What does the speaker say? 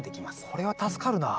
これは助かるなあ。